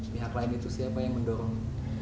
pihak lain itu siapa yang mendorong